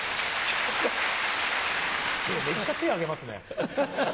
今日めっちゃ手挙げますね。